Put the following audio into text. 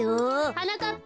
はなかっぱ。